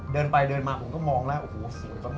เดินไปเดินมาผมก็มองแล้วโอ้โหสวยมาก